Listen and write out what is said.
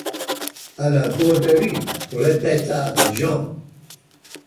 À la Borderie, répéta Jean.